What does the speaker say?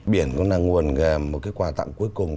biển cũng là nguồn một cái quà tặng cuối cùng